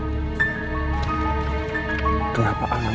kau tuh ngerasa ada yang aneh nih